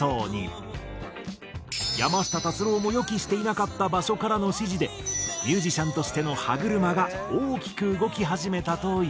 山下達郎も予期していなかった場所からの支持でミュージシャンとしての歯車が大きく動き始めたという。